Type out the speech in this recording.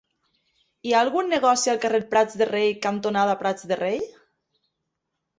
Hi ha algun negoci al carrer Prats de Rei cantonada Prats de Rei?